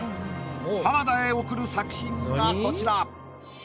浜田へ贈る作品がこちら。